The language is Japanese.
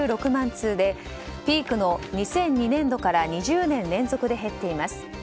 通でピークの２００２年度から２０年連続で減っています。